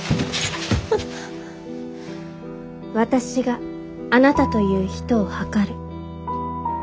私があなたという人を量る。